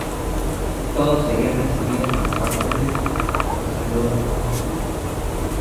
Todos serán recibidos por los ángeles con saludos de paz.